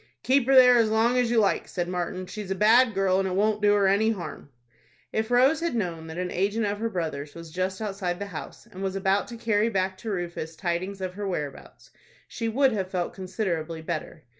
"Keep her there as long as you like," said Martin. "She's a bad girl, and it won't do her any harm." If Rose had known that an agent of her brother's was just outside the house, and was about to carry back to Rufus tidings of her whereabouts, she would have felt considerably better.